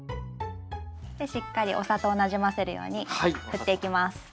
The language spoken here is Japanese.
でしっかりお砂糖をなじませるように振っていきます。